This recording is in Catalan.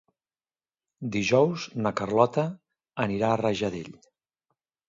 Dijous na Carlota anirà a Rajadell.